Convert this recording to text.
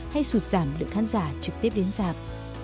hay sụt giảm lượng khán giả trực tiếp đến giảm